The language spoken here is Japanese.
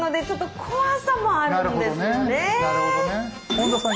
本田さん